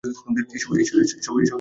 এইসব আমাদের বলতাছো কেন?